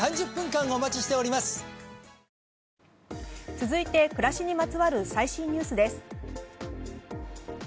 続いて、暮らしにまつわる最新ニュースです。